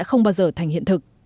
nó sẽ không bao giờ thành hiện thực